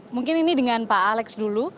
mungkin ini dengan pak alex dulu